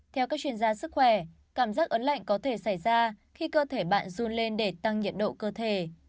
theo các chuyên gia sức khỏe cảm giác ấm lạnh có thể xảy ra khi cơ thể bạn run lên để tăng nhiệt độ cơ thể